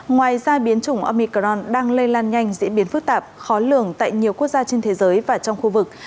ngoài ra biến chủng omicron đang lây lan nhanh diễn biến phức tạp khó lường tại nhiều quốc gia trên thế giới và trong khu vực